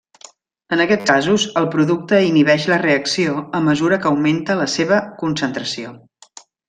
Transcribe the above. En aquests casos el producte inhibeix la reacció a mesura que augmenta la seva concentració.